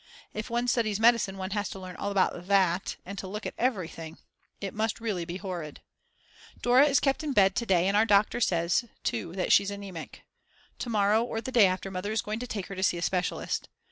If one studies medicine one has to learn all about that and to look at everything. It must be really horrid. Dora is kept in bed to day and our Doctor says too that she's anemic. To morrow or the day after Mother is going to take her to see a specialist.